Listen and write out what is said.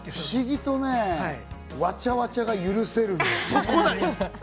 不思議とね、わちゃわちゃが許せるんだ。